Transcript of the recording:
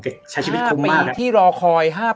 โอ้โหใช้ชีวิตคุ้มมาก